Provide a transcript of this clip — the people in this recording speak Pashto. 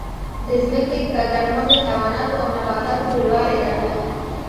د ځمکې ګرمښت د حیواناتو او نباتاتو ډېروالی درلود.